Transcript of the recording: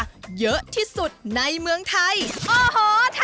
กับการเปิดลอกจินตนาการของเพื่อนเล่นวัยเด็กของพวกเราอย่างโลกของตุ๊กตา